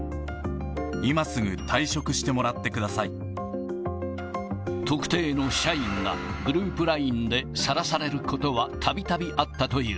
今すぐ退職してもらってくだ特定の社員がグループＬＩＮＥでさらされることは、たびたびあったという。